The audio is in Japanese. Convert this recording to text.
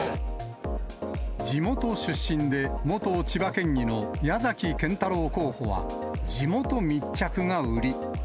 地元出身で、元千葉県議の矢崎堅太郎候補は、地元密着が売り。